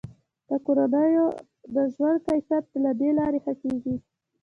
د کورنیو د ژوند کیفیت له دې لارې ښه کیږي.